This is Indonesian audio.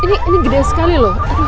ini gede sekali loh